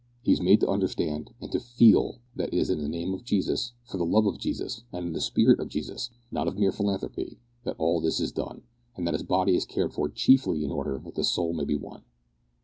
He is made to understand, and to feel, that it is in the name of Jesus, for the love of Jesus, and in the spirit of Jesus not of mere philanthropy that all this is done, and that his body is cared for chiefly in order that the soul may be won.